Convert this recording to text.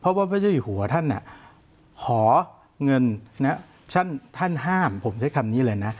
เพราะว่าพระเจ้าอยู่หัวท่านขอเงินท่านห้ามผมใช้คำนี้เลยนะ